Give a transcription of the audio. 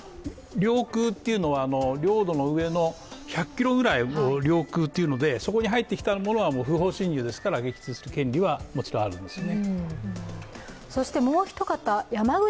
領空というのは、領土の上の１００ｋｍぐらいでして、そこに入ってきたものは不法侵入ですから撃墜する権利はもちろんあるんですね。